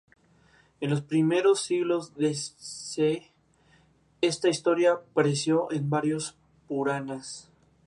Ambos modelos son fabricados por el carrocero italiano Pininfarina.